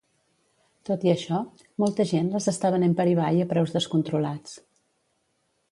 Tot i això, molta gent les està venent per eBay a preus descontrolats.